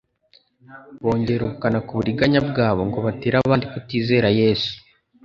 bongera ubukana ku buriganya bwabo ngo batere abandi kutizera Yesu,